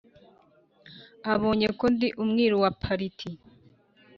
Abonye ko ndi umwiru wa Pariti